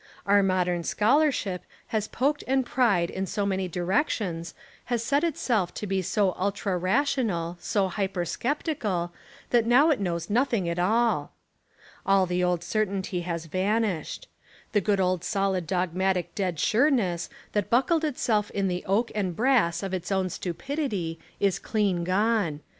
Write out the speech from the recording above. Our modern scholarship has poked and pried in so many directions, has set itself to be so ultra rational, so hyper sceptical, that now it knows nothing at all. All the old certainty has van ished. The good old solid dogmatic dead sure ness that buckled itself in the oak and brass of its own stupidity is clean gone.